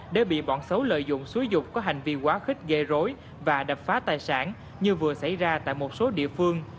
để bị bọn xấu lợi dụng xúi dục có hành vi quá khích gây rối và đập phá tài sản như vừa xảy ra tại một số địa phương